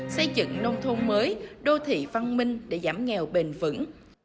xây dựng nông thôn mới đô thị văn minh để giảm nghèo bền vững